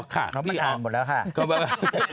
อ๋อค่ะน้องมันอ่านหมดแล้วค่ะ